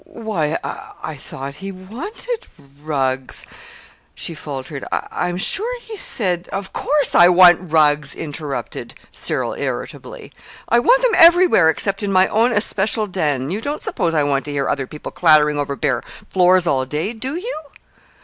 "Why, I thought he wanted rugs," she faltered. "I'm sure he said " "Of course I want rugs," interrupted Cyril, irritably. "I want them everywhere except in my own especial den. You don't suppose I want to hear other people clattering over bare floors all day, do you?"